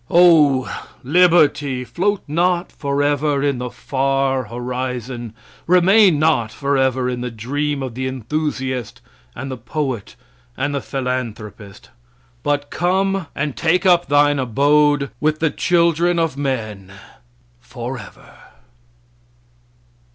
Oh, liberty! Float not forever in the far horizon! Remain not forever in the dream of the enthusiast and the poet and the philanthropist! But come and take up thine abode with the children of men forever!